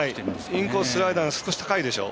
インコース、スライダーが少し高いでしょ。